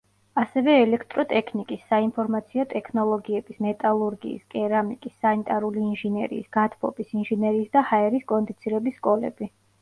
ასევე: ელექტროტექნიკის, საინფორმაციო ტექნოლოგიების, მეტალურგიის, კერამიკის, სანიტარული ინჟინერიის, გათბობის ინჟინერიის და ჰაერის კონდიცირების სკოლები.